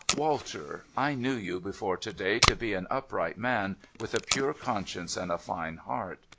' \\'alter, I knew you before to day to be an upright man, with a pure conscience and a fine heart.